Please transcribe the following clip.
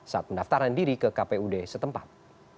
saat mendaftaran diri ke kpud setempat